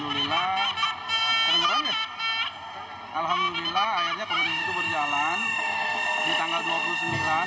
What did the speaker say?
alhamdulillah akhirnya kompetisi itu berjalan di tanggal dua puluh sembilan